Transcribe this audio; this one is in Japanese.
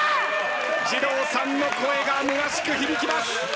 じろうさんの声がむなしく響きます。